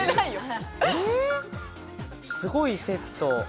すごいセット。